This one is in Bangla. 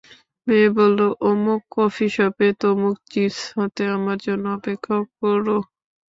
মেয়ে বললো অমুক কফিশপে, তমুক চিপস হাতে আমার জন্য অপেক্ষা কোরো।